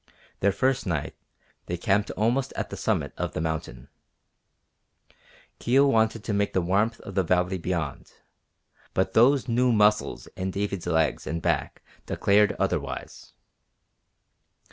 Their first night they camped almost at the summit of the mountain. Kio wanted to make the warmth of the valley beyond, but those new muscles in David's legs and back declared otherwise.